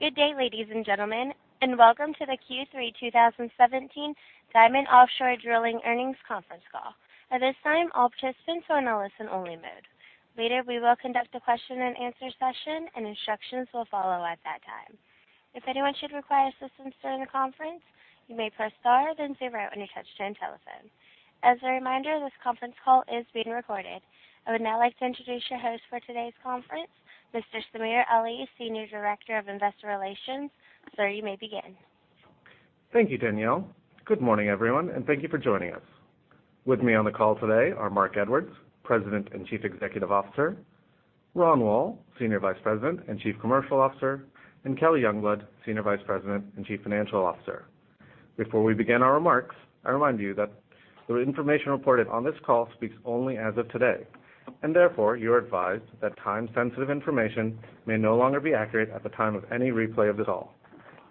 Good day, ladies and gentlemen. Welcome to the Q3 2017 Diamond Offshore Drilling earnings conference call. At this time, all participants are in a listen-only mode. Later, we will conduct a question and answer session. Instructions will follow at that time. If anyone should require assistance during the conference, you may press star then zero on your touch-tone telephone. As a reminder, this conference call is being recorded. I would now like to introduce your host for today's conference, Mr. Samir Ali, Senior Director of Investor Relations. Sir, you may begin. Thank you, Danielle. Good morning, everyone. Thank you for joining us. With me on the call today are Marc Edwards, President and Chief Executive Officer, Ronald Woll, Senior Vice President and Chief Commercial Officer, and Kelly Youngblood, Senior Vice President and Chief Financial Officer. Before we begin our remarks, I remind you that the information reported on this call speaks only as of today. Therefore, you are advised that time-sensitive information may no longer be accurate at the time of any replay of this call.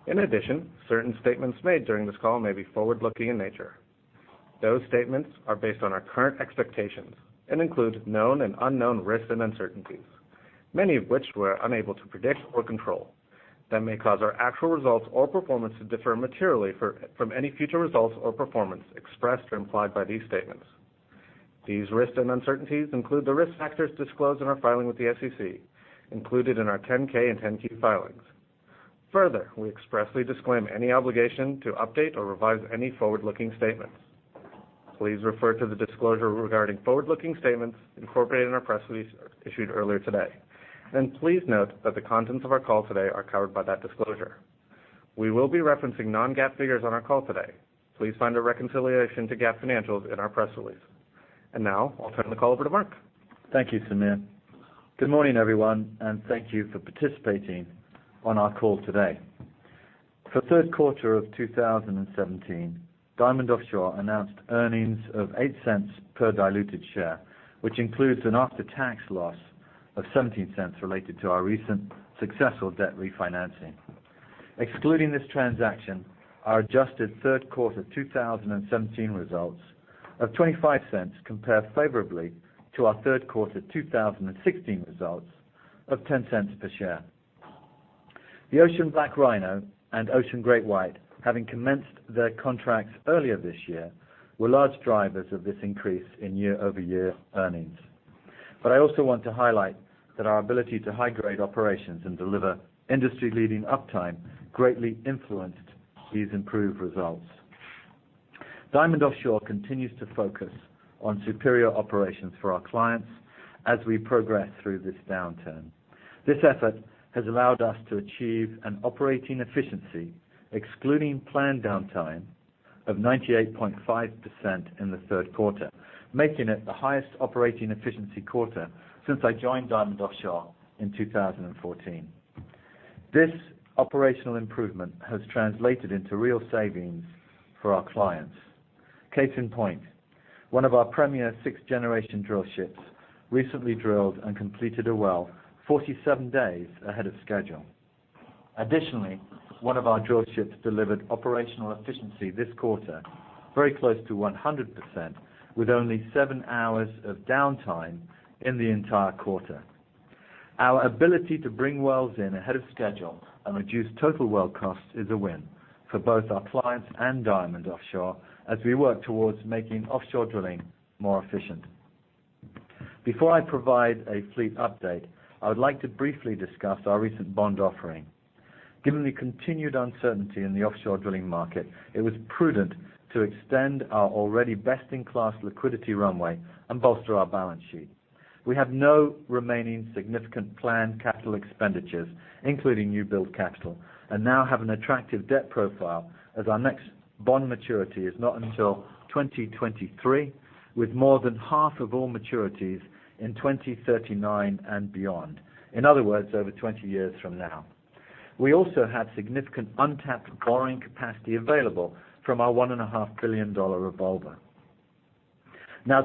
In addition, certain statements made during this call may be forward-looking in nature. Those statements are based on our current expectations and include known and unknown risks and uncertainties, many of which we're unable to predict or control, that may cause our actual results or performance to differ materially from any future results or performance expressed or implied by these statements. These risks and uncertainties include the risk factors disclosed in our filing with the SEC, included in our 10-K and 10-Q filings. Further, we expressly disclaim any obligation to update or revise any forward-looking statements. Please refer to the disclosure regarding forward-looking statements incorporated in our press release issued earlier today. Please note that the contents of our call today are covered by that disclosure. We will be referencing non-GAAP figures on our call today. Please find a reconciliation to GAAP financials in our press release. Now, I'll turn the call over to Marc. Thank you, Samir. Good morning, everyone. Thank you for participating on our call today. For third quarter of 2017, Diamond Offshore announced earnings of $0.08 per diluted share, which includes an after-tax loss of $0.17 related to our recent successful debt refinancing. Excluding this transaction, our adjusted third quarter 2017 results of $0.25 compare favorably to our third quarter 2016 results of $0.10 per share. The Ocean BlackRhino and Ocean GreatWhite, having commenced their contracts earlier this year, were large drivers of this increase in year-over-year earnings. I also want to highlight that our ability to high-grade operations and deliver industry-leading uptime greatly influenced these improved results. Diamond Offshore continues to focus on superior operations for our clients as we progress through this downturn. This effort has allowed us to achieve an operating efficiency, excluding planned downtime, of 98.5% in the third quarter, making it the highest operating efficiency quarter since I joined Diamond Offshore in 2014. This operational improvement has translated into real savings for our clients. Case in point, one of our premier sixth-generation drillships recently drilled and completed a well 47 days ahead of schedule. Additionally, one of our drillships delivered operational efficiency this quarter very close to 100%, with only seven hours of downtime in the entire quarter. Our ability to bring wells in ahead of schedule and reduce total well cost is a win for both our clients and Diamond Offshore as we work towards making offshore drilling more efficient. Before I provide a fleet update, I would like to briefly discuss our recent bond offering. Given the continued uncertainty in the offshore drilling market, it was prudent to extend our already best-in-class liquidity runway and bolster our balance sheet. We have no remaining significant planned capital expenditures, including new build capital, and now have an attractive debt profile as our next bond maturity is not until 2023, with more than half of all maturities in 2039 and beyond. In other words, over 20 years from now. We also have significant untapped borrowing capacity available from our $1.5 billion revolver.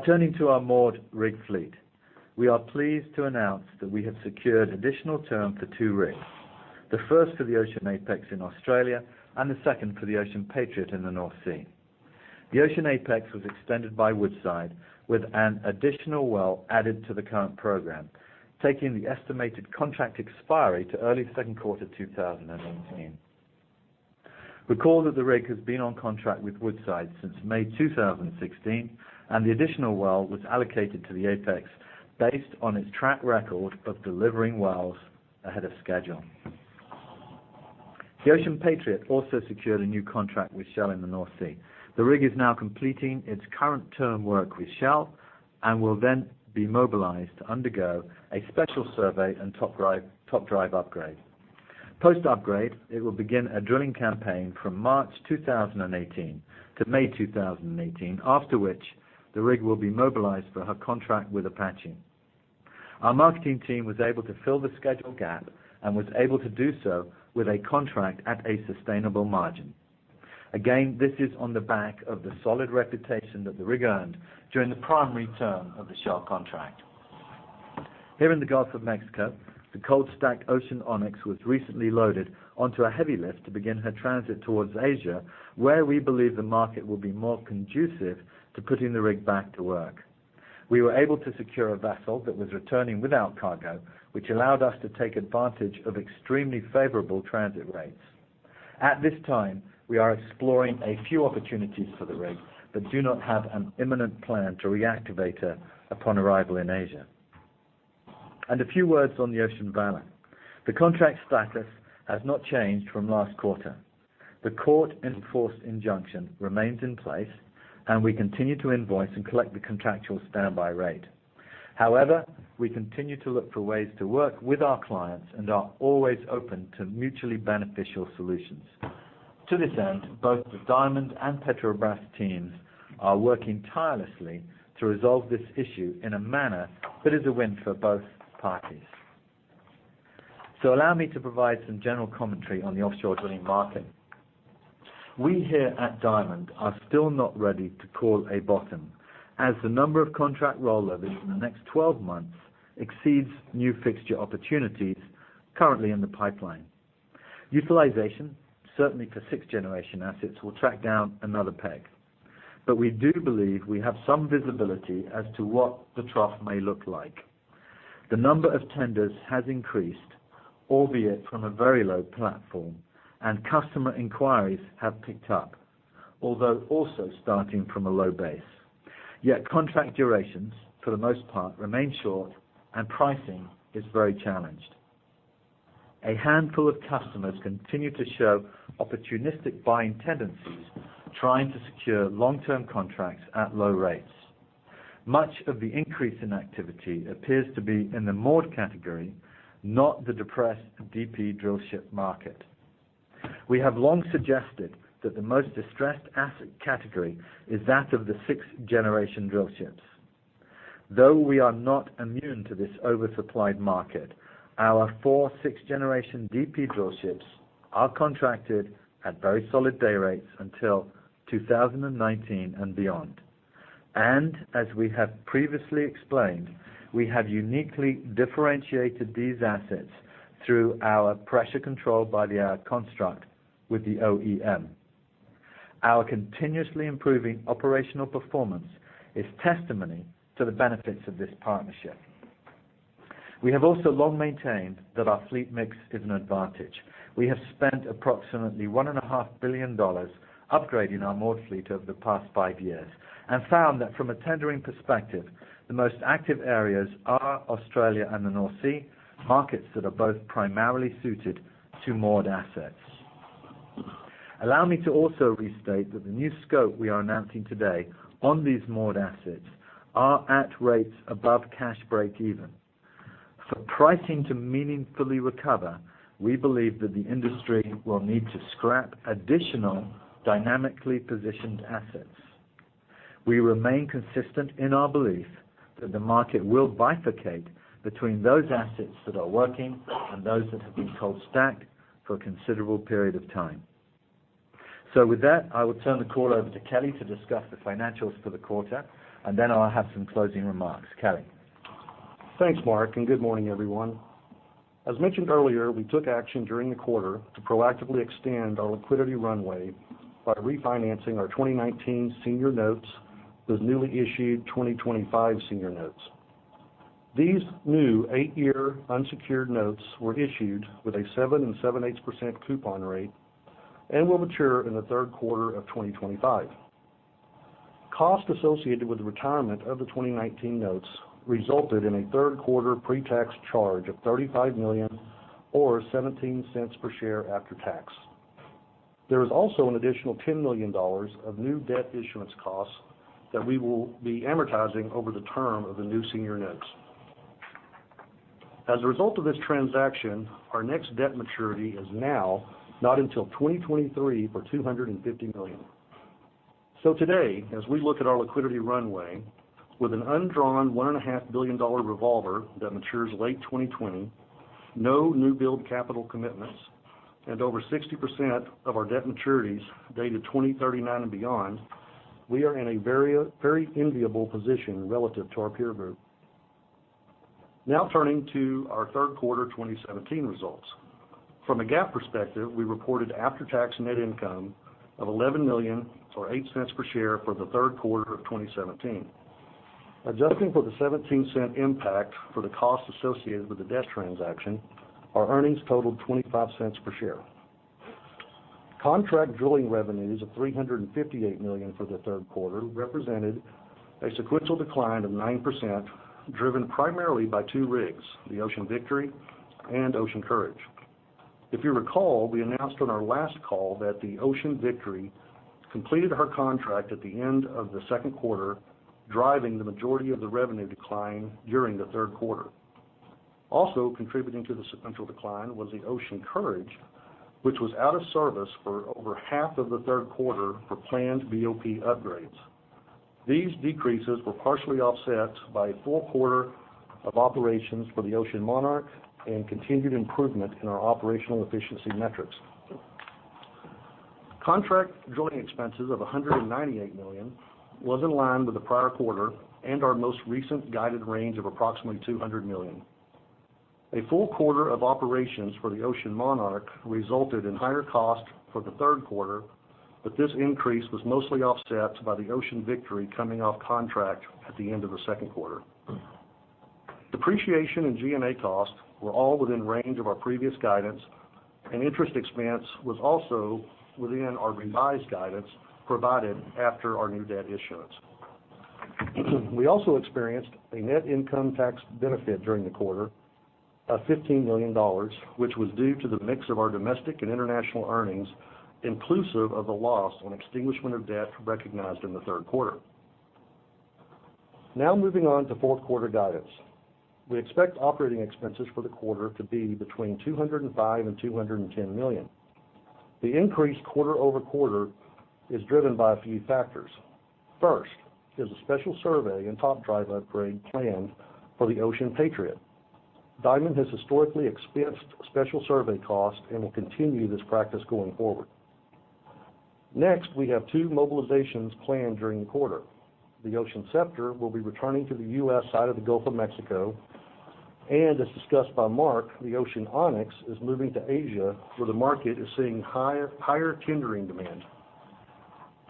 Turning to our moored rig fleet. We are pleased to announce that we have secured additional term for two rigs, the first for the Ocean Apex in Australia, and the second for the Ocean Patriot in the North Sea. The Ocean Apex was extended by Woodside with an additional well added to the current program, taking the estimated contract expiry to early second quarter 2018. Recall that the rig has been on contract with Woodside since May 2016, and the additional well was allocated to the Apex based on its track record of delivering wells ahead of schedule. The Ocean Patriot also secured a new contract with Shell in the North Sea. The rig is now completing its current term work with Shell and will then be mobilized to undergo a special survey and top drive upgrade. Post-upgrade, it will begin a drilling campaign from March 2018 to May 2018, after which the rig will be mobilized for her contract with Apache. Our marketing team was able to fill the schedule gap and was able to do so with a contract at a sustainable margin. This is on the back of the solid reputation that the rig earned during the primary term of the Shell contract. Here in the Gulf of Mexico, the cold-stacked Ocean Onyx was recently loaded onto a heavy lift to begin her transit towards Asia, where we believe the market will be more conducive to putting the rig back to work. We were able to secure a vessel that was returning without cargo, which allowed us to take advantage of extremely favorable transit rates. At this time, we are exploring a few opportunities for the rig but do not have an imminent plan to reactivate her upon arrival in Asia. A few words on the Ocean Valor. The contract status has not changed from last quarter. The court-enforced injunction remains in place, and we continue to invoice and collect the contractual standby rate. However, we continue to look for ways to work with our clients and are always open to mutually beneficial solutions. To this end, both the Diamond and Petrobras teams are working tirelessly to resolve this issue in a manner that is a win for both parties. Allow me to provide some general commentary on the offshore drilling market. We here at Diamond are still not ready to call a bottom as the number of contract rollovers in the next 12 months exceeds new fixture opportunities currently in the pipeline. Utilization, certainly for sixth-generation assets, will track down another peg. We do believe we have some visibility as to what the trough may look like. The number of tenders has increased, albeit from a very low platform, and customer inquiries have picked up. Also starting from a low base. Contract durations, for the most part, remain short, and pricing is very challenged. A handful of customers continue to show opportunistic buying tendencies, trying to secure long-term contracts at low rates. Much of the increase in activity appears to be in the moored category, not the depressed DP drillship market. We have long suggested that the most distressed asset category is that of the sixth-generation drillships. Though we are not immune to this oversupplied market, our four sixth-generation DP drillships are contracted at very solid day rates until 2019 and beyond. As we have previously explained, we have uniquely differentiated these assets through our Pressure Control by the Hour construct with the OEM. Our continuously improving operational performance is testimony to the benefits of this partnership. We have also long maintained that our fleet mix is an advantage. We have spent approximately $1.5 billion upgrading our moored fleet over the past five years and found that from a tendering perspective, the most active areas are Australia and the North Sea, markets that are both primarily suited to moored assets. Allow me to also restate that the new scope we are announcing today on these moored assets are at rates above cash breakeven. For pricing to meaningfully recover, we believe that the industry will need to scrap additional dynamically positioned assets. We remain consistent in our belief that the market will bifurcate between those assets that are working and those that have been cold stacked for a considerable period of time. With that, I will turn the call over to Kelly to discuss the financials for the quarter, and then I'll have some closing remarks. Kelly? Thanks, Marc, and good morning, everyone. As mentioned earlier, we took action during the quarter to proactively extend our liquidity runway by refinancing our 2019 senior notes with newly issued 2025 senior notes. These new eight-year unsecured notes were issued with a 7 7/8% coupon rate and will mature in the third quarter of 2025. Cost associated with the retirement of the 2019 notes resulted in a third-quarter pre-tax charge of $35 million or $0.17 per share after tax. There is also an additional $10 million of new debt issuance costs that we will be amortizing over the term of the new senior notes. As a result of this transaction, our next debt maturity is now not until 2023 for $250 million. Today, as we look at our liquidity runway with an undrawn $1.5 billion revolver that matures late 2020, no new build capital commitments, and over 60% of our debt maturities dated 2039 and beyond, we are in a very enviable position relative to our peer group. Turning to our third quarter 2017 results. From a GAAP perspective, we reported after-tax net income of $11 million or $0.08 per share for the third quarter of 2017. Adjusting for the $0.17 impact for the cost associated with the debt transaction, our earnings totaled $0.25 per share. Contract drilling revenues of $358 million for the third quarter represented a sequential decline of 9%, driven primarily by two rigs, the Ocean Victory and Ocean Courage. If you recall, we announced on our last call that the Ocean Victory completed her contract at the end of the second quarter, driving the majority of the revenue decline during the third quarter. Also contributing to the sequential decline was the Ocean Courage, which was out of service for over half of the third quarter for planned BOP upgrades. These decreases were partially offset by a full quarter of operations for the Ocean Monarch and continued improvement in our operational efficiency metrics. Contract drilling expenses of $198 million was in line with the prior quarter and our most recent guided range of approximately $200 million. A full quarter of operations for the Ocean Monarch resulted in higher costs for the third quarter. This increase was mostly offset by the Ocean Victory coming off contract at the end of the second quarter. Depreciation and G&A costs were all within range of our previous guidance. Interest expense was also within our revised guidance provided after our new debt issuance. We also experienced a net income tax benefit during the quarter of $15 million, which was due to the mix of our domestic and international earnings, inclusive of a loss on extinguishment of debt recognized in the third quarter. Moving on to fourth quarter guidance. We expect operating expenses for the quarter to be between $205 million and $210 million. The increase quarter-over-quarter is driven by a few factors. First is a special survey and top drive upgrade planned for the Ocean Patriot. Diamond has historically expensed special survey costs and will continue this practice going forward. Next, we have two mobilizations planned during the quarter. The Ocean Scepter will be returning to the U.S. side of the Gulf of Mexico. As discussed by Marc, the Ocean Onyx is moving to Asia, where the market is seeing higher tendering demand.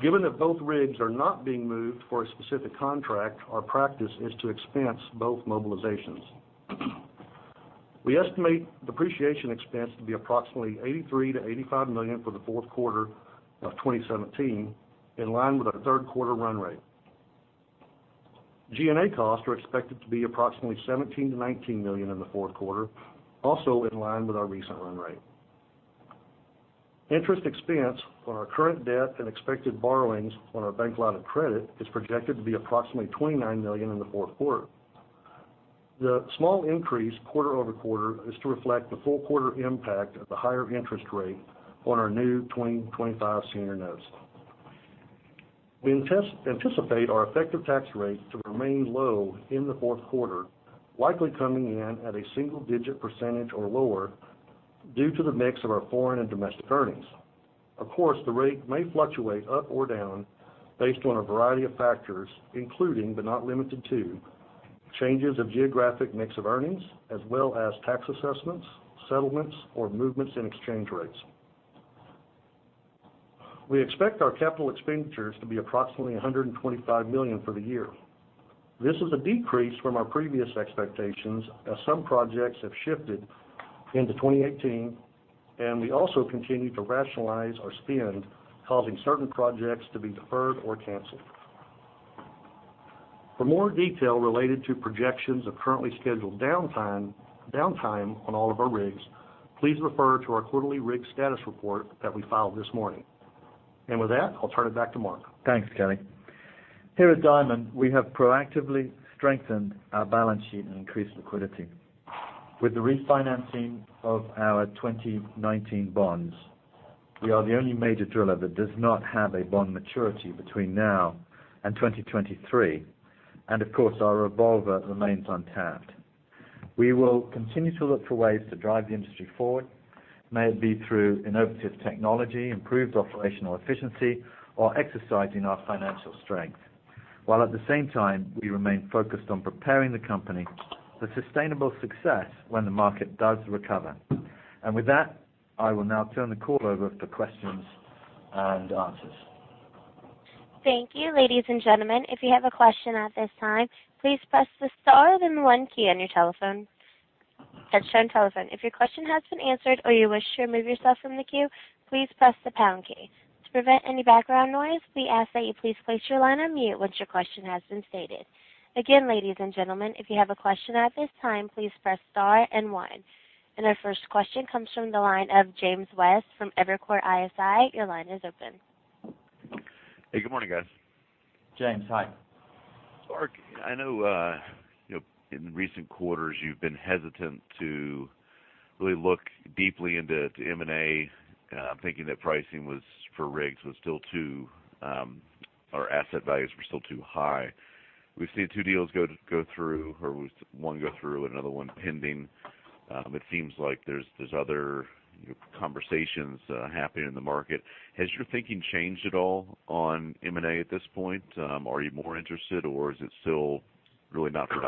Given that both rigs are not being moved for a specific contract, our practice is to expense both mobilizations. We estimate depreciation expense to be approximately $83 million to $85 million for the fourth quarter of 2017, in line with our third quarter run rate. G&A costs are expected to be approximately $17 million to $19 million in the fourth quarter, also in line with our recent run rate. Interest expense on our current debt and expected borrowings on our bank line of credit is projected to be approximately $29 million in the fourth quarter. The small increase quarter-over-quarter is to reflect the full quarter impact of the higher interest rate on our new 2025 senior notes. We anticipate our effective tax rate to remain low in the fourth quarter, likely coming in at a single-digit percentage or lower due to the mix of our foreign and domestic earnings. Of course, the rate may fluctuate up or down based on a variety of factors, including, but not limited to, changes of geographic mix of earnings, as well as tax assessments, settlements, or movements in exchange rates. We expect our capital expenditures to be approximately $125 million for the year. This is a decrease from our previous expectations, as some projects have shifted into 2018, and we also continue to rationalize our spend, causing certain projects to be deferred or canceled. For more detail related to projections of currently scheduled downtime on all of our rigs, please refer to our quarterly rig status report that we filed this morning. With that, I'll turn it back to Marc. Thanks, Kelly. Here at Diamond, we have proactively strengthened our balance sheet and increased liquidity. With the refinancing of our 2019 bonds, we are the only major driller that does not have a bond maturity between now and 2023. Of course, our revolver remains untapped. We will continue to look for ways to drive the industry forward, may it be through innovative technology, improved operational efficiency, or exercising our financial strength, while at the same time, we remain focused on preparing the company for sustainable success when the market does recover. With that, I will now turn the call over for questions and answers. Thank you, ladies and gentlemen. If you have a question at this time, please press the star then one key on your telephone. If your question has been answered or you wish to remove yourself from the queue, please press the pound key. To prevent any background noise, we ask that you please place your line on mute once your question has been stated. Again, ladies and gentlemen, if you have a question at this time, please press star and one. Our first question comes from the line of James West from Evercore ISI. Your line is open. Hey, good morning, guys. James, hi. Marc, I know in recent quarters, you've been hesitant to really look deeply into M&A. Our asset values were still too high. We've seen two deals go through, or one go through, another one pending. It seems like there's other conversations happening in the market. Has your thinking changed at all on M&A at this point? Are you more interested, or is it still really not for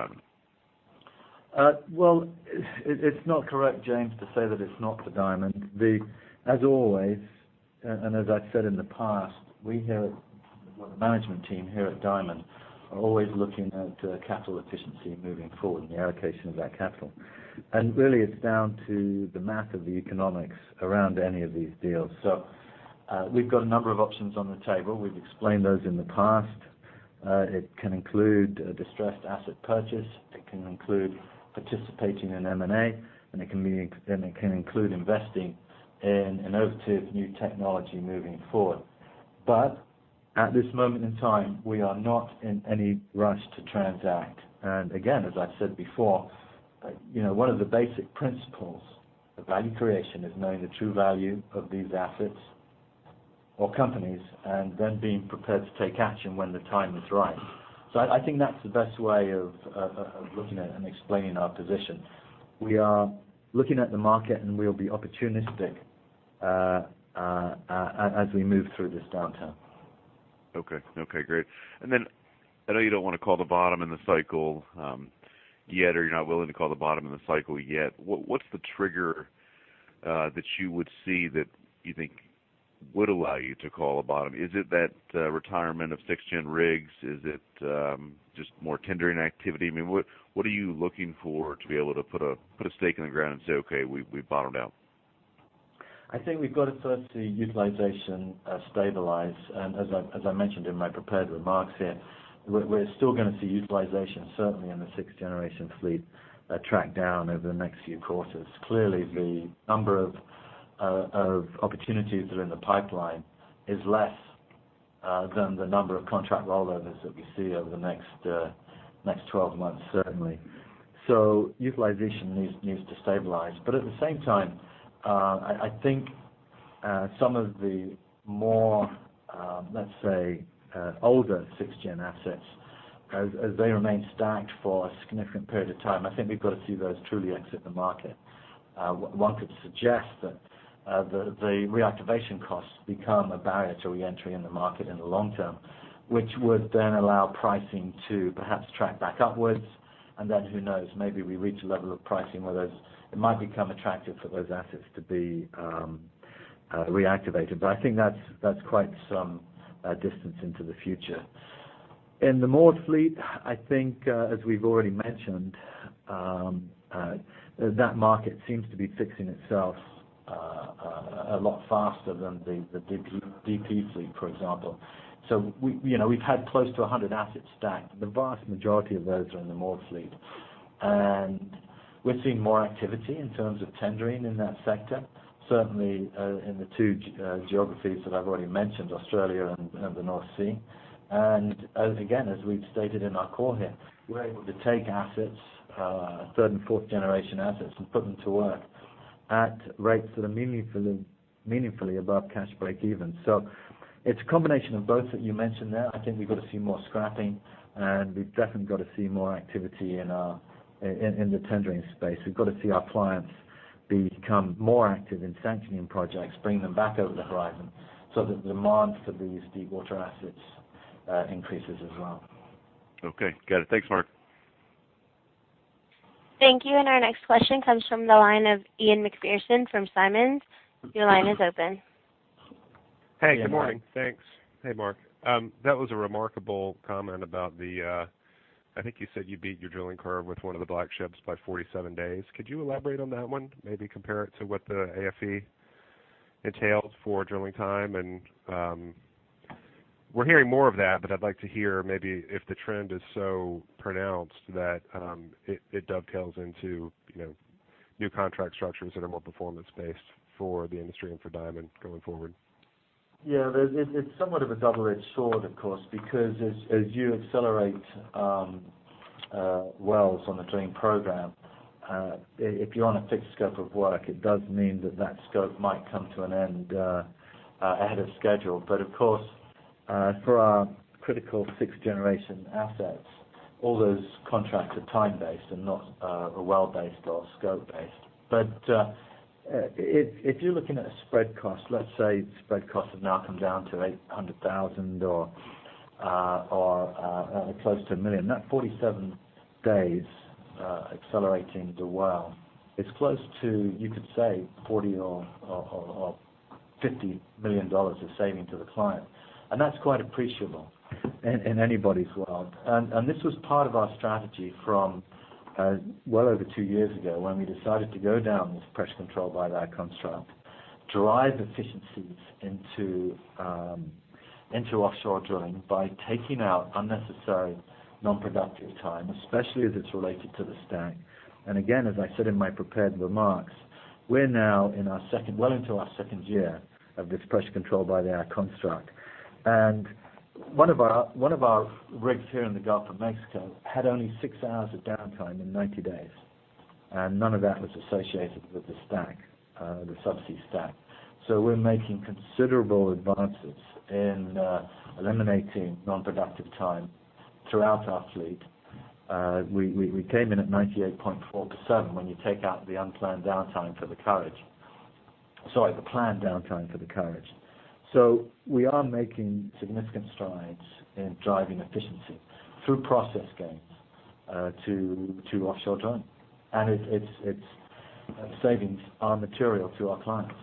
Diamond? It's not correct, James, to say that it's not for Diamond. As always, as I've said in the past, the management team here at Diamond are always looking at capital efficiency moving forward and the allocation of that capital. Really, it's down to the math of the economics around any of these deals. We've got a number of options on the table. We've explained those in the past. It can include a distressed asset purchase, it can include participating in M&A, and it can include investing in innovative new technology moving forward. At this moment in time, we are not in any rush to transact. Again, as I've said before, one of the basic principles of value creation is knowing the true value of these assets or companies, and then being prepared to take action when the time is right. I think that's the best way of looking at and explaining our position. We are looking at the market, and we'll be opportunistic as we move through this downturn. Okay, great. I know you don't want to call the bottom in the cycle yet, or you're not willing to call the bottom in the cycle yet. What's the trigger that you would see that you think would allow you to call a bottom? Is it that retirement of 6th-gen rigs? Is it just more tendering activity? What are you looking for to be able to put a stake in the ground and say, "Okay, we've bottomed out"? I think we've got to first see utilization stabilize. As I mentioned in my prepared remarks here, we're still going to see utilization, certainly in the 6th-generation fleet, track down over the next few quarters. Clearly, the number of opportunities that are in the pipeline is less than the number of contract rollovers that we see over the next 12 months, certainly. Utilization needs to stabilize. At the same time, I think some of the more, let's say, older 6th-gen assets, as they remain stacked for a significant period of time, I think we've got to see those truly exit the market. One could suggest that the reactivation costs become a barrier to re-entry in the market in the long term, which would then allow pricing to perhaps track back upwards. Who knows, maybe we reach a level of pricing where it might become attractive for those assets to be reactivated. I think that's quite some distance into the future. In the moored fleet, I think, as we've already mentioned, that market seems to be fixing itself a lot faster than the DP fleet, for example. We've had close to 100 assets stacked. The vast majority of those are in the moored fleet. We're seeing more activity in terms of tendering in that sector, certainly in the two geographies that I've already mentioned, Australia and the North Sea. Again, as we've stated in our call here, we're able to take assets, 3rd and 4th-generation assets, and put them to work at rates that are meaningfully above cash breakeven. It's a combination of both that you mentioned there. I think we've got to see more scrapping, we've definitely got to see more activity in the tendering space. We've got to see our clients become more active in sanctioning projects, bring them back over the horizon so that demand for these deep water assets increases as well. Okay, got it. Thanks, Marc. Thank you. Our next question comes from the line of Ian Macpherson from Simmons. Your line is open. Hey, good morning. Thanks. Hey, Marc. That was a remarkable comment about the I think you said you beat your drilling curve with one of the Black Ships by 47 days. Could you elaborate on that one, maybe compare it to what the AFE entailed for drilling time? We're hearing more of that, but I'd like to hear maybe if the trend is so pronounced that it dovetails into new contract structures that are more performance-based for the industry and for Diamond going forward. It's somewhat of a double-edged sword, of course, because as you accelerate wells on a drilling program, if you're on a fixed scope of work, it does mean that that scope might come to an end ahead of schedule. Of course, for our critical sixth-generation assets, all those contracts are time-based and not well-based or scope-based. If you're looking at a spread cost, let's say spread costs have now come down to $800,000 or close to $1 million. That 47 days accelerating the well is close to, you could say, $40 million or $50 million of saving to the client. That's quite appreciable in anybody's world. This was part of our strategy from well over two years ago when we decided to go down this Pressure Control by the Hour construct, drive efficiencies into offshore drilling by taking out unnecessary non-productive time, especially as it's related to the stack. Again, as I said in my prepared remarks, we're now well into our second year of this Pressure Control by the Hour construct. One of our rigs here in the Gulf of Mexico had only six hours of downtime in 90 days. None of that was associated with the stack, the subsea stack. We're making considerable advances in eliminating non-productive time throughout our fleet. We came in at 98.4% when you take out the unplanned downtime for the Courage. Sorry, the planned downtime for the Courage. We are making significant strides in driving efficiency through process gains to offshore drilling. Its savings are material to our clients.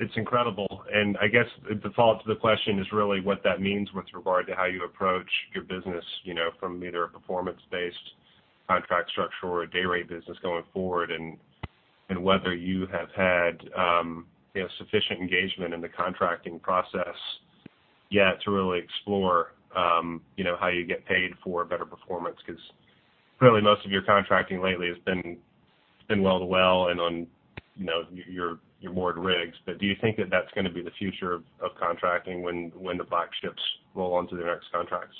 It's incredible. I guess the follow-up to the question is really what that means with regard to how you approach your business, from either a performance-based contract structure or a day rate business going forward, and whether you have had sufficient engagement in the contracting process yet to really explore how you get paid for better performance. Clearly, most of your contracting lately has been well to well and on your moored rigs. Do you think that that's going to be the future of contracting when the Black Ships roll onto their next contracts?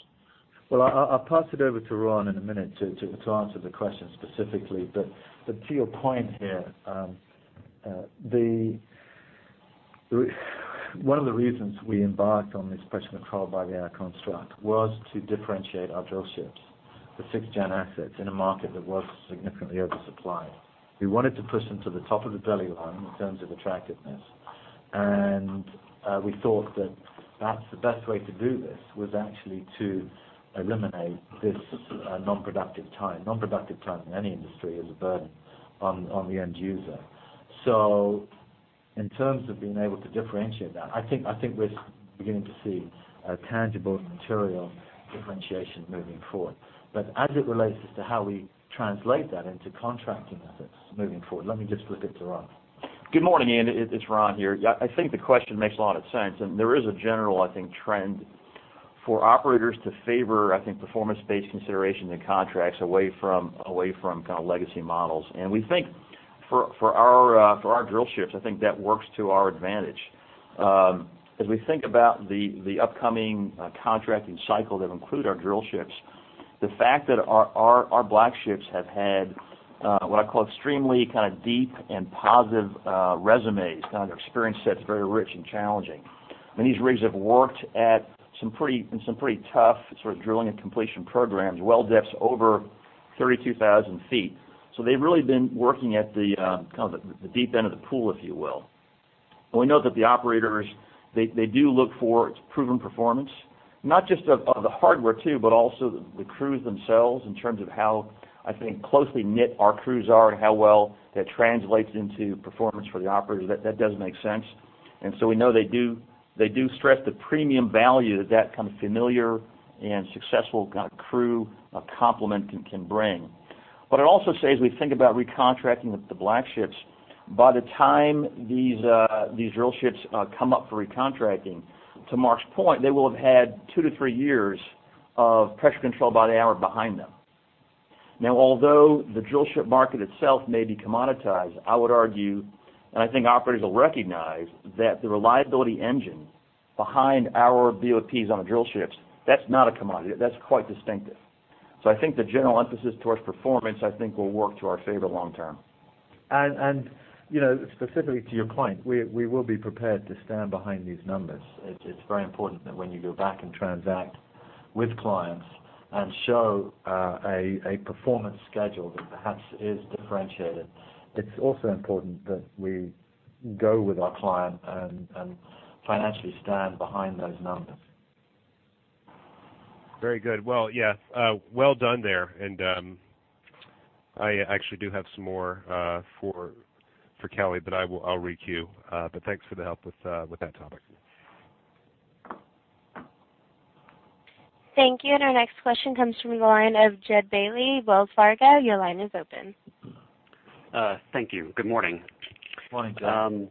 Well, I'll pass it over to Ron in a minute to answer the question specifically. To your point here, one of the reasons we embarked on this Pressure Control by the Hour construct was to differentiate our drillships, the 6th-gen assets, in a market that was significantly oversupplied. We wanted to push them to the top of the bid line in terms of attractiveness. We thought that the best way to do this was actually to eliminate this non-productive time. Non-productive time in any industry is a burden on the end user. In terms of being able to differentiate that, I think we're beginning to see tangible material differentiation moving forward. As it relates to how we translate that into contracting assets moving forward, let me just flip it to Ron. Good morning, Ian. It's Ron here. Yeah, I think the question makes a lot of sense, there is a general trend for operators to favor performance-based considerations and contracts away from legacy models. We think for our drillships, I think that works to our advantage. As we think about the upcoming contracting cycle that include our drillships, the fact that our Black Ships have had what I call extremely deep and positive resumes, their experience set's very rich and challenging. I mean, these rigs have worked at some pretty tough drilling and completion programs, well depths over 32,000 feet. They've really been working at the deep end of the pool, if you will. We know that the operators do look for proven performance, not just of the hardware too, but also the crews themselves in terms of how closely knit our crews are and how well that translates into performance for the operators. That does make sense. We know they do stress the premium value that that kind of familiar and successful crew compliment can bring. What I'd also say as we think about recontracting the Black Ships, by the time these drillships come up for recontracting, to Marc's point, they will have had two to three years of Pressure Control by the Hour behind them. Now, although the drillship market itself may be commoditized, I would argue, and I think operators will recognize, that the reliability engine behind our BOPs on the drillships, that's not a commodity. That's quite distinctive. I think the general emphasis towards performance will work to our favor long-term. Specifically to your point, we will be prepared to stand behind these numbers. It's very important that when you go back and transact with clients and show a performance schedule that perhaps is differentiated, it's also important that we go with our client and financially stand behind those numbers. Very good. Well, yeah. Well done there. I actually do have some more for Kelly, but I'll re-queue. Thanks for the help with that topic. Thank you. Our next question comes from the line of Jud Bailey, Wells Fargo. Your line is open. Thank you. Good morning. Good morning, Jud.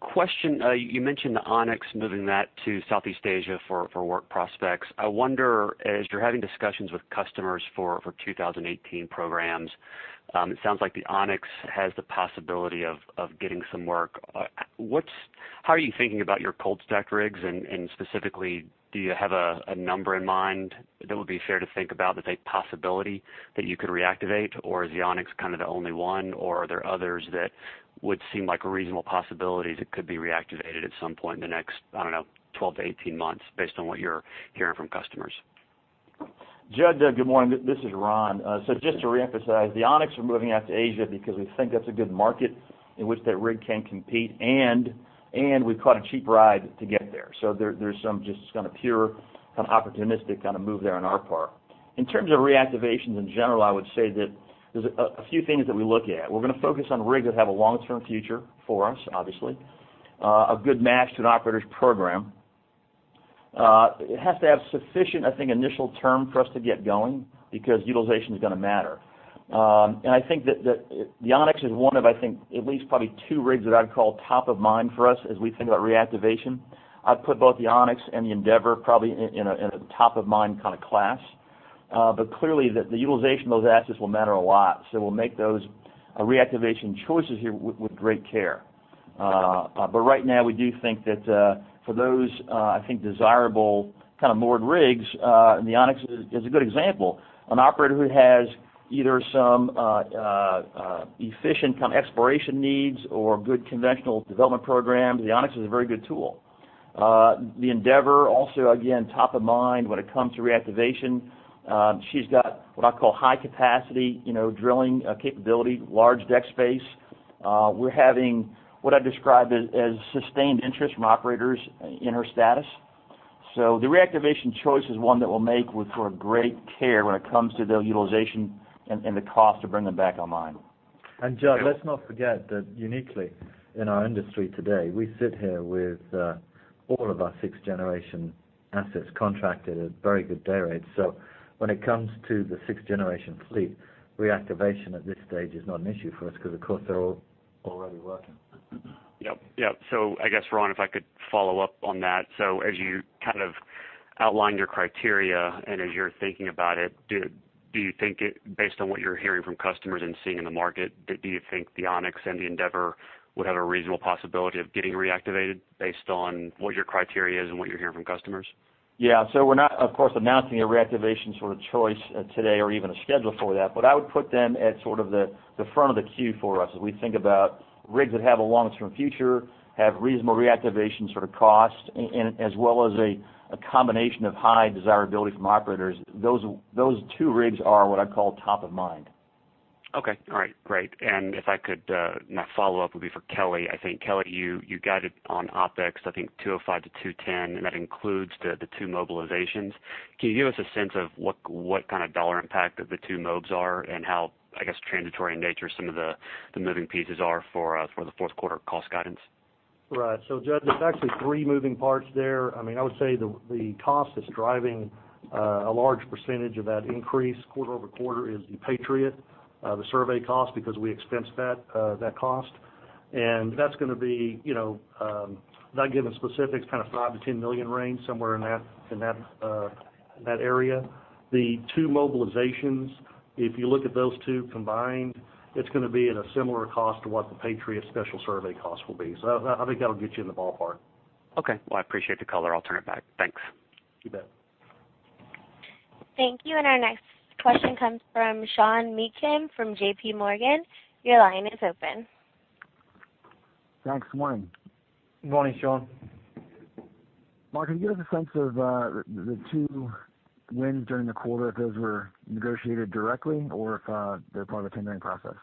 Question. You mentioned the Onyx, moving that to Southeast Asia for work prospects. I wonder, as you are having discussions with customers for 2018 programs, it sounds like the Onyx has the possibility of getting some work. How are you thinking about your cold-stacked rigs, and specifically, do you have a number in mind that would be fair to think about as a possibility that you could reactivate? Or is the Onyx kind of the only one, or are there others that would seem like reasonable possibilities that could be reactivated at some point in the next, I don't know, 12-18 months based on what you are hearing from customers? Jud, good morning. This is Ron. Just to reemphasize, the Onyx, we are moving that to Asia because we think that is a good market in which that rig can compete, we caught a cheap ride to get there. There is some just kind of pure opportunistic move there on our part. In terms of reactivations in general, I would say that there is a few things that we look at. We are going to focus on rigs that have a long-term future for us, obviously. A good match to an operator's program. It has to have sufficient initial term for us to get going because utilization is gonna matter. I think that the Onyx is one of at least probably two rigs that I would call top of mind for us as we think about reactivation. I would put both the Onyx and the Endeavor probably in a top of mind kind of class. Clearly, the utilization of those assets will matter a lot, we will make those reactivation choices here with great care. Right now, we do think that for those desirable moored rigs, and the Onyx is a good example, an operator who has either some efficient exploration needs or good conventional development programs, the Onyx is a very good tool. The Endeavor also, again, top of mind when it comes to reactivation. She has got what I call high capacity drilling capability, large deck space. We are having what I would describe as sustained interest from operators in her status. The reactivation choice is one that we will make with great care when it comes to the utilization and the cost to bring them back online. Jud, let's not forget that uniquely in our industry today, we sit here with all of our 6th-generation assets contracted at very good day rates. When it comes to the 6th-generation fleet, reactivation at this stage is not an issue for us because, of course, they're all already working. Yep. I guess, Ron, if I could follow up on that. As you kind of outlined your criteria and as you're thinking about it, do you think based on what you're hearing from customers and seeing in the market, do you think the Onyx and the Endeavor would have a reasonable possibility of getting reactivated based on what your criteria is and what you're hearing from customers? Yeah. We're not, of course, announcing a reactivation sort of choice today or even a schedule for that, but I would put them at sort of the front of the queue for us as we think about rigs that have a long-term future, have reasonable reactivation sort of cost, and as well as a combination of high desirability from operators. Those two rigs are what I'd call top of mind. Okay. All right, great. If I could, my follow-up would be for Kelly. I think, Kelly, you guided on OpEx, I think $205-$210, and that includes the two mobilizations. Can you give us a sense of what kind of dollar impact that the two mobs are and how, I guess, transitory in nature some of the moving pieces are for the fourth quarter cost guidance? Right. Jud, there's actually three moving parts there. I would say the cost that's driving a large percentage of that increase quarter-over-quarter is the Ocean Patriot, the survey cost, because we expense that cost. That's going to be, not giving specifics, kind of $5 million-$10 million range, somewhere in that area. The two mobilizations, if you look at those two combined, it's going to be at a similar cost to what the Ocean Patriot special survey cost will be. I think that'll get you in the ballpark. Okay. Well, I appreciate the color. I'll turn it back. Thanks. You bet. Thank you. Our next question comes from Sean Meakim from J.P. Morgan. Your line is open. Thanks. Good morning. Good morning, Sean. Marc, can you give us a sense of the two wins during the quarter, if those were negotiated directly or if they're part of the tendering process?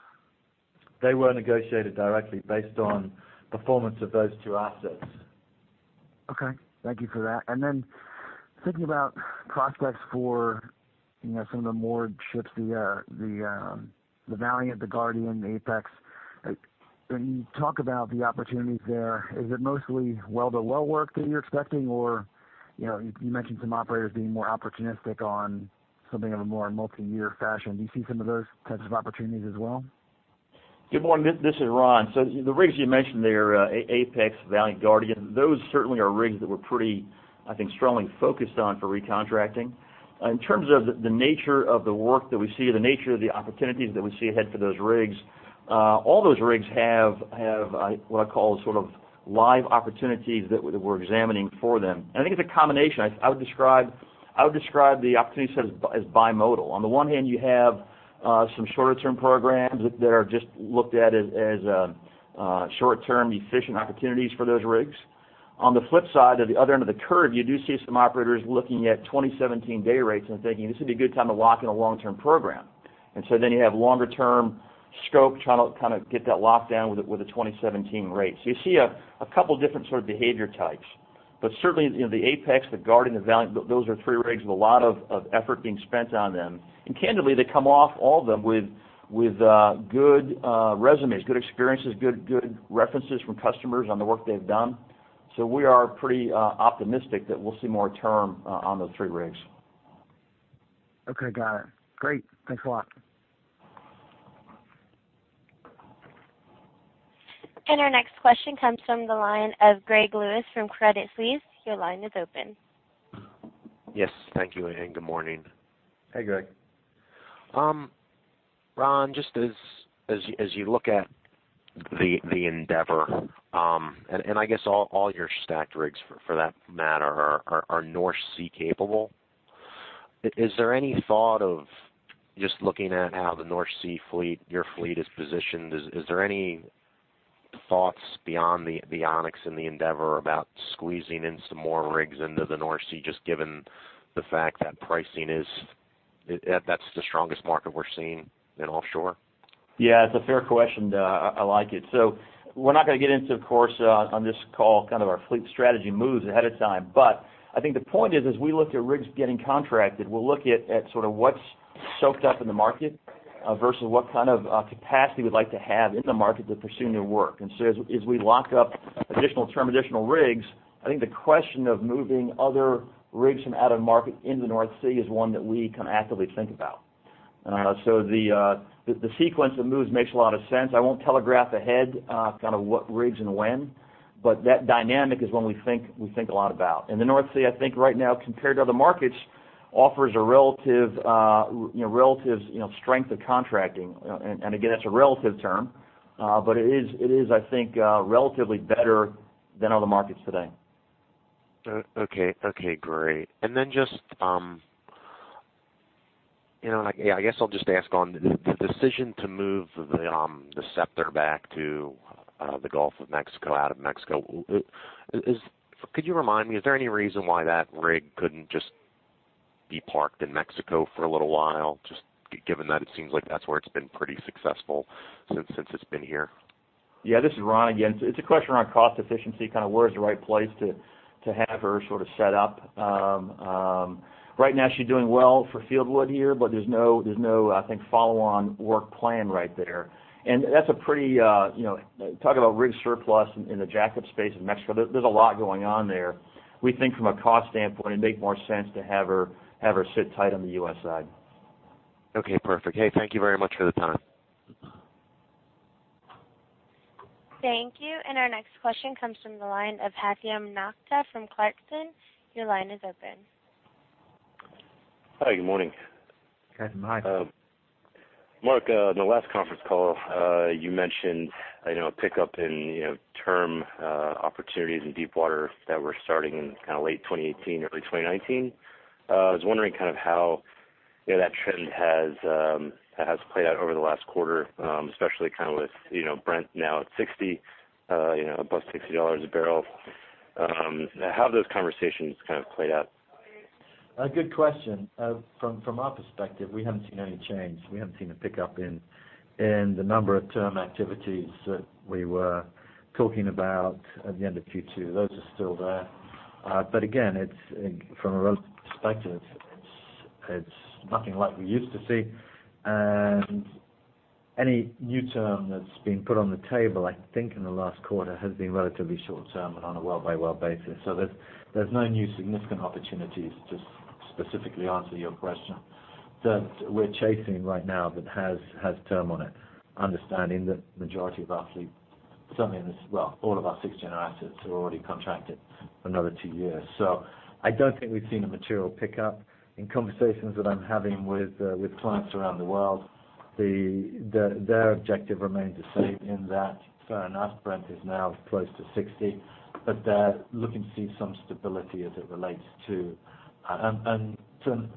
They were negotiated directly based on performance of those two assets. Okay. Thank you for that. Then thinking about prospects for some of the moored ships, the Valiant, the Guardian, the Apex. When you talk about the opportunities there, is it mostly well-to-well work that you're expecting? Or you mentioned some operators being more opportunistic on something of a more multi-year fashion. Do you see some of those types of opportunities as well? Good morning. This is Ron. The rigs you mentioned there, Apex, Valiant, Guardian, those certainly are rigs that we're pretty, I think, strongly focused on for recontracting. In terms of the nature of the work that we see, the nature of the opportunities that we see ahead for those rigs, all those rigs have what I call sort of live opportunities that we're examining for them. I think it's a combination. I would describe the opportunity set as bimodal. On the one hand, you have some shorter-term programs that are just looked at as short-term efficient opportunities for those rigs. On the flip side, at the other end of the curve, you do see some operators looking at 2017 day rates and thinking this would be a good time to lock in a long-term program. Then you have longer-term scope trying to kind of get that locked down with the 2017 rates. You see a couple different sort of behavior types. Certainly, the Apex, the Guardian, the Valiant, those are three rigs with a lot of effort being spent on them. Candidly, they come off, all of them, with good resumes, good experiences, good references from customers on the work they've done. We are pretty optimistic that we'll see more term on those three rigs. Okay. Got it. Great. Thanks a lot. Our next question comes from the line of Greg Lewis from Credit Suisse. Your line is open. Yes. Thank you. Good morning. Hey, Greg. Ron, just as you look at the Endeavor, and I guess all your stacked rigs for that matter are North Sea capable. Is there any thought of just looking at how the North Sea fleet, your fleet, is positioned? Is there any thoughts beyond the Onyx and the Endeavor about squeezing in some more rigs into the North Sea, just given the fact that pricing is that's the strongest market we're seeing in offshore? Yeah, it's a fair question. I like it. We're not going to get into, of course, on this call kind of our fleet strategy moves ahead of time. I think the point is, as we look at rigs getting contracted, we'll look at sort of what's soaked up in the market versus what kind of capacity we'd like to have in the market to pursue new work. As we lock up additional term, additional rigs, I think the question of moving other rigs from out of market into North Sea is one that we can actively think about. The sequence of moves makes a lot of sense. I won't telegraph ahead kind of what rigs and when, but that dynamic is one we think a lot about. The North Sea, I think right now, compared to other markets, offers a relative strength of contracting. Again, that's a relative term. It is, I think, relatively better than other markets today. Okay. Great. Then just, I guess I'll just ask on the decision to move the Scepter back to the Gulf of Mexico out of Mexico. Could you remind me, is there any reason why that rig couldn't just be parked in Mexico for a little while, just given that it seems like that's where it's been pretty successful since it's been here? Yeah, this is Ron again. It's a question around cost efficiency, kind of where is the right place to have her sort of set up. Right now she's doing well for Fieldwood here, but there's no, I think, follow-on work plan right there. That's a pretty talk about rig surplus in the jack-up space in Mexico, there's a lot going on there. We think from a cost standpoint, it'd make more sense to have her sit tight on the U.S. side. Okay, perfect. Hey, thank you very much for the time. Thank you. Our next question comes from the line of Haithum Nokta from Clarksons. Your line is open. Hi, good morning. Good morning. Marc, on the last conference call, you mentioned a pickup in term opportunities in deepwater that were starting in kind of late 2018, early 2019. I was wondering kind of how that trend has played out over the last quarter, especially kind of with Brent now at $60 plus a barrel. How have those conversations kind of played out? A good question. From our perspective, we haven't seen any change. We haven't seen a pickup in the number of term activities that we were talking about at the end of Q2. Those are still there. Again, from a relative perspective, it's nothing like we used to see. Any new term that's been put on the table, I think in the last quarter, has been relatively short-term and on a well-by-well basis. There's no new significant opportunities, just specifically answer your question, that we're chasing right now that has term on it, understanding that the majority of our fleet, all of our sixth-gen assets are already contracted for another two years. I don't think we've seen a material pickup. In conversations that I'm having with clients around the world, their objective remains the same in that fair enough, Brent is now close to 60, they're looking to see some stability as it relates to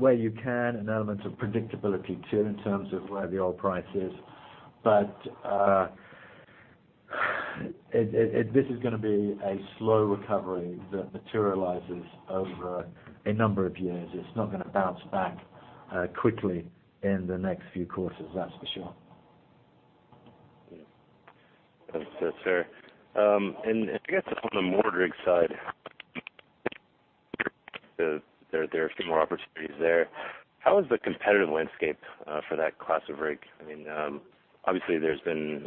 where you can, an element of predictability too, in terms of where the oil price is. This is going to be a slow recovery that materializes over a number of years. It's not going to bounce back quickly in the next few quarters, that's for sure. Yeah. That's fair. I guess on the moored rig side, there are a few more opportunities there. How is the competitive landscape for that class of rig? Obviously, there's been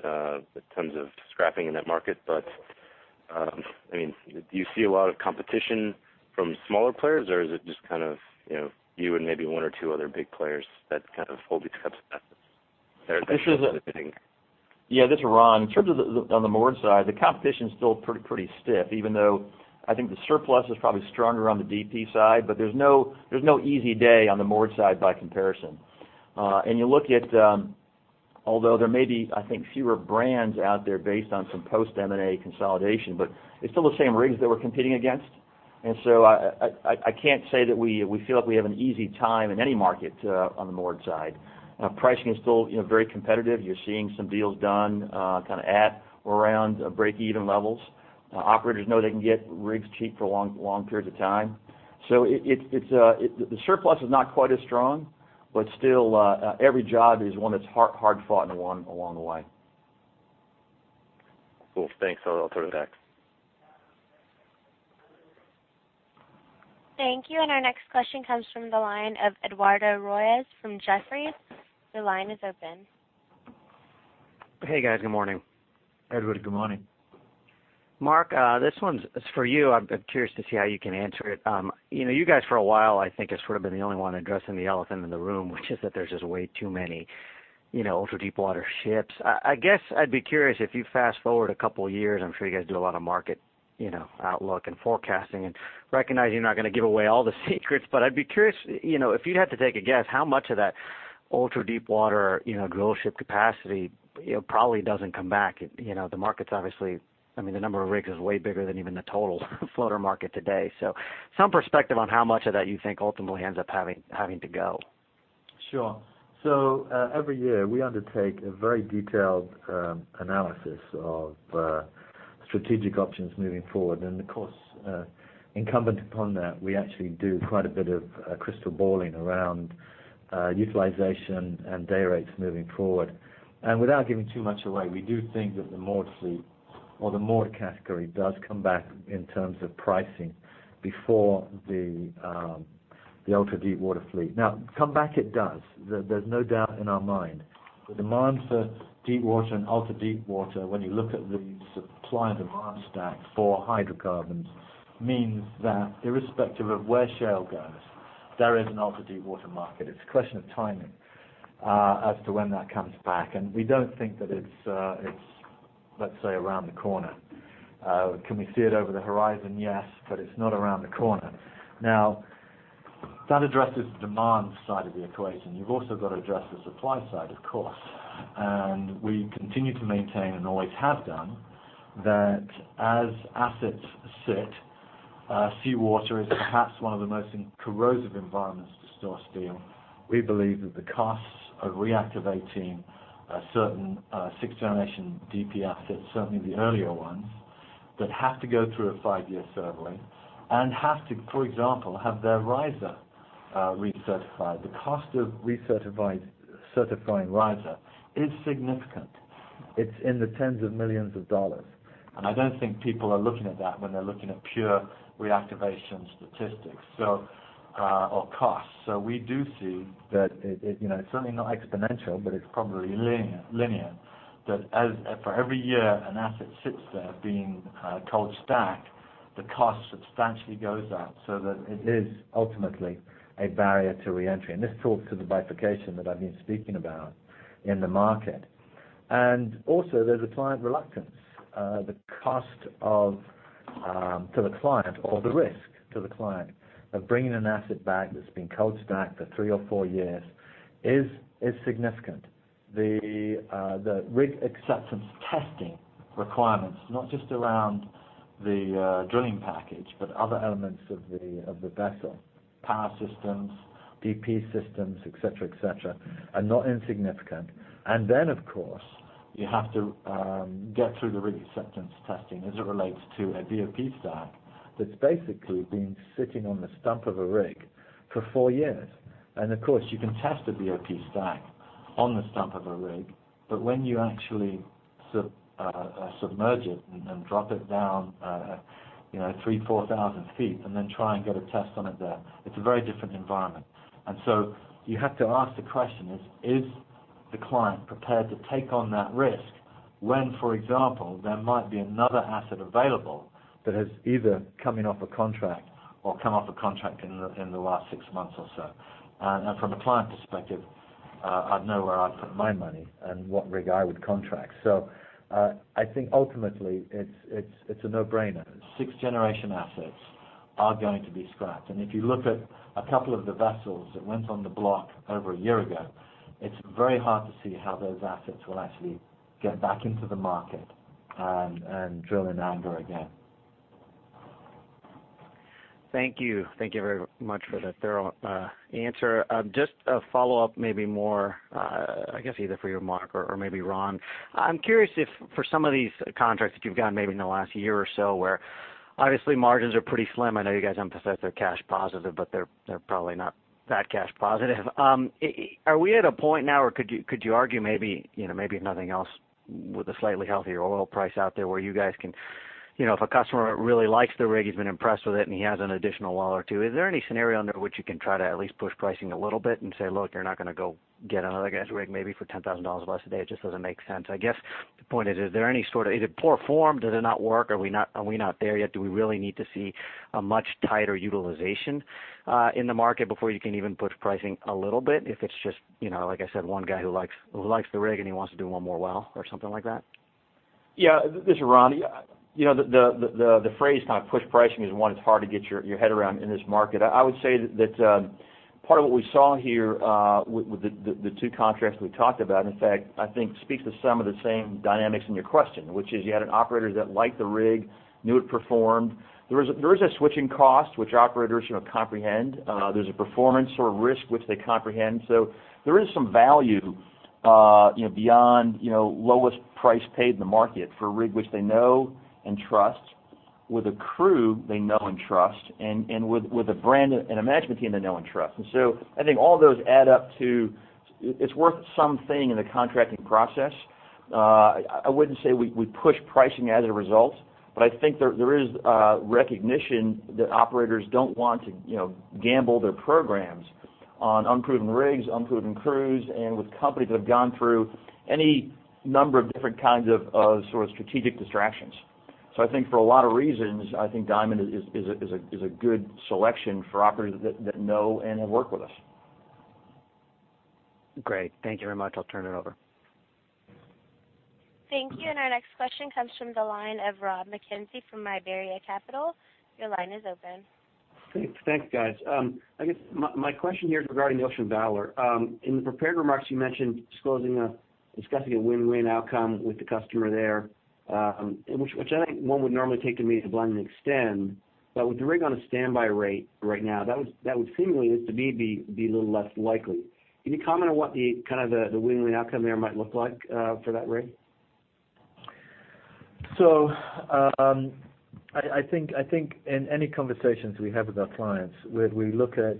tons of scrapping in that market, do you see a lot of competition from smaller players, or is it just you and maybe one or two other big players that fold each other? Yeah, this is Ron. In terms of on the moored side, the competition's still pretty stiff, even though I think the surplus is probably stronger on the DP side. There's no easy day on the moored side by comparison. Although there may be, I think, fewer brands out there based on some post-M&A consolidation, but it's still the same rigs that we're competing against. I can't say that we feel like we have an easy time in any market on the moored side. Pricing is still very competitive. You're seeing some deals done kind of at around breakeven levels. Operators know they can get rigs cheap for long periods of time. The surplus is not quite as strong, but still, every job is one that's hard-fought and won along the way. Cool. Thanks. I'll throw it back. Thank you. Our next question comes from the line of Eduardo Royes from Jefferies. Your line is open. Hey, guys. Good morning. Eduardo, good morning. Marc, this one's for you. I'm curious to see how you can answer it. You guys, for a while, I think has sort of been the only one addressing the elephant in the room, which is that there's just way too many ultra-deepwater ships. I guess I'd be curious if you fast-forward a couple of years, I'm sure you guys do a lot of market outlook and forecasting, and recognize you're not going to give away all the secrets, but I'd be curious, if you had to take a guess, how much of that ultra-deepwater drillship capacity probably doesn't come back? The number of rigs is way bigger than even the total floater market today. Some perspective on how much of that you think ultimately ends up having to go. Sure. Every year, we undertake a very detailed analysis of strategic options moving forward. Of course, incumbent upon that, we actually do quite a bit of crystal balling around utilization and day rates moving forward. Without giving too much away, we do think that the moored fleet or the moored category does come back in terms of pricing before the ultra-deepwater fleet. Now, come back it does. There's no doubt in our mind. The demand for deep water and ultra-deepwater, when you look at the supply and demand stack for hydrocarbons, means that irrespective of where shale goes, there is an ultra-deepwater market. It's a question of timing as to when that comes back. We don't think that it's, let's say, around the corner. Can we see it over the horizon? Yes, but it's not around the corner. Now, that addresses the demand side of the equation. You've also got to address the supply side, of course. We continue to maintain, and always have done, that as assets sit, seawater is perhaps one of the most corrosive environments to store steel. We believe that the costs of reactivating certain sixth-generation DP assets, certainly the earlier ones, that have to go through a five-year surveying and have to, for example, have their riser recertified. The cost of recertifying riser is significant. It's in the tens of millions of dollars. I don't think people are looking at that when they're looking at pure reactivation statistics or costs. We do see that it's certainly not exponential, but it's probably linear, that for every year an asset sits there being cold stacked, the cost substantially goes up so that it is ultimately a barrier to reentry. This talks to the bifurcation that I've been speaking about in the market. Also, there's a client reluctance. The cost to the client or the risk to the client of bringing an asset back that's been cold stacked for three or four years is significant. The rig acceptance testing requirements, not just around the drilling package, but other elements of the vessel Power systems, DP systems, et cetera, are not insignificant. Then, of course, you have to get through the rig acceptance testing as it relates to a BOP stack that's basically been sitting on the stump of a rig for four years. Of course, you can test a BOP stack on the stump of a rig, but when you actually submerge it and drop it down 3,000, 4,000 feet and then try and get a test on it there, it's a very different environment. You have to ask the question, is the client prepared to take on that risk when, for example, there might be another asset available that is either coming off a contract or come off a contract in the last six months or so? From a client perspective, I'd know where I'd put my money and what rig I would contract. I think ultimately, it's a no-brainer. 6th-generation assets are going to be scrapped. If you look at a couple of the vessels that went on the block over a year ago, it's very hard to see how those assets will actually get back into the market and drill in anger again. Thank you. Thank you very much for that thorough answer. Just a follow-up, maybe more, I guess either for you, Marc, or maybe Ron. I'm curious if for some of these contracts that you've gotten maybe in the last year or so, where obviously margins are pretty slim. I know you guys emphasize they're cash positive, but they're probably not that cash positive. Are we at a point now or could you argue maybe, if nothing else, with a slightly healthier oil price out there where you guys can-- If a customer really likes the rig, he's been impressed with it, and he has an additional well or two, is there any scenario under which you can try to at least push pricing a little bit and say, "Look, you're not going to go get another guy's rig maybe for $10,000 less a day. It just doesn't make sense." I guess the point is there any sort of-- Is it poor form? Does it not work? Are we not there yet? Do we really need to see a much tighter utilization in the market before you can even push pricing a little bit if it's just, like I said, one guy who likes the rig and he wants to do one more well or something like that? Yeah, this is Ron. The phrase push pricing is one that's hard to get your head around in this market. I would say that part of what we saw here with the two contracts we talked about, in fact, I think speaks to some of the same dynamics in your question, which is you had an operator that liked the rig, knew it performed. There is a switching cost which operators comprehend. There's a performance risk which they comprehend. There is some value beyond lowest price paid in the market for a rig which they know and trust, with a crew they know and trust, and with a brand and a management team they know and trust. I think all those add up to it's worth something in the contracting process. I wouldn't say we push pricing as a result, but I think there is recognition that operators don't want to gamble their programs on unproven rigs, unproven crews, and with companies that have gone through any number of different kinds of strategic distractions. I think for a lot of reasons, I think Diamond is a good selection for operators that know and have worked with us. Great. Thank you very much. I'll turn it over. Thank you. Our next question comes from the line of Rob Mackenzie from Iberia Capital. Your line is open. Thanks, guys. I guess my question here is regarding the Ocean Valor. In the prepared remarks you mentioned discussing a win-win outcome with the customer there, which I think one would normally take to mean a blind extend. With the rig on a standby rate right now, that would seemingly, at least to me, be a little less likely. Can you comment on what the win-win outcome there might look like for that rig? I think in any conversations we have with our clients, we look at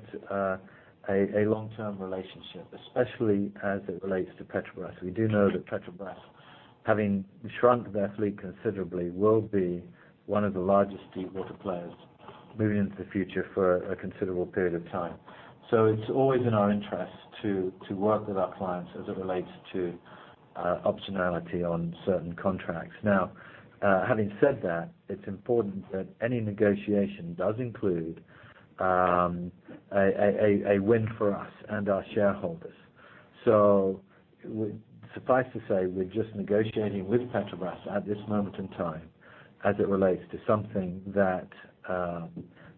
a long-term relationship, especially as it relates to Petrobras. We do know that Petrobras, having shrunk their fleet considerably, will be one of the largest deep water players moving into the future for a considerable period of time. It's always in our interest to work with our clients as it relates to optionality on certain contracts. Now, having said that, it's important that any negotiation does include a win for us and our shareholders. Suffice to say, we're just negotiating with Petrobras at this moment in time as it relates to something that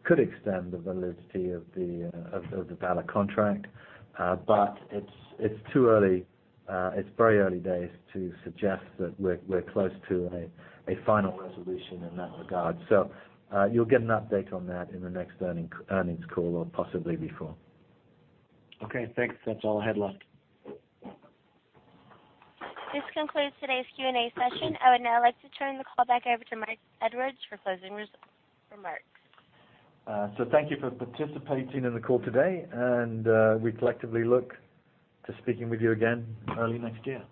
could extend the validity of the Valor contract. It's very early days to suggest that we're close to a final resolution in that regard. You'll get an update on that in the next earnings call or possibly before. Okay, thanks. That's all. Good luck. This concludes today's Q&A session. I would now like to turn the call back over to Marc Edwards for closing remarks. Thank you for participating in the call today, and we collectively look to speaking with you again early next year.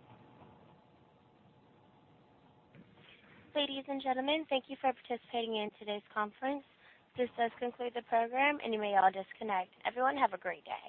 Ladies and gentlemen, thank you for participating in today's conference. This does conclude the program, and you may all disconnect. Everyone, have a great day.